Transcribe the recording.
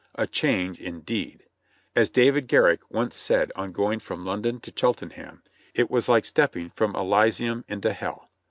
A change indeed ! As David Garrick once said on going from London to Cheltenham, "It was like stepping from Elysium into Hell."